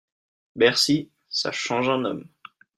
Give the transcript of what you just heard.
Bercy, ça change un homme